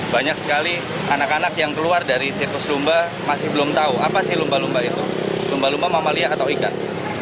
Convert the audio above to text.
banyak sekali anak anak yang keluar dari sirkus lumba masih belum tahu apa sih lumba lumba itu lumba lumba mamalia atau ikan